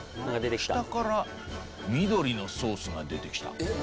下から緑のソースが出てきた。